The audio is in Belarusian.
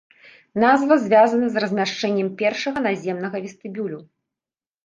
Назва звязана з размяшчэннем першага наземнага вестыбюля.